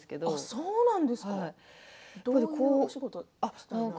そうなんですか。